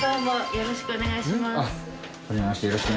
よろしくお願いします。